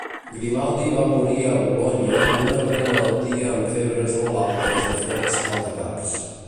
Grimaldi va morir a Bolonya d'una breu malaltia amb febres molt altes i forts maldecaps.